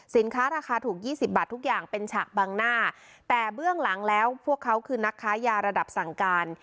สินค้าราคาถูกยี่สิบบาททุกอย่างเป็นฉากบังหน้าแต่เบื้องหลังแล้วพวกเขาคือนักค้ายาระดับสั่งการ